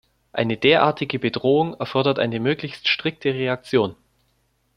Eine derartige Bedrohung erfordert eine möglichst strikte Reaktion.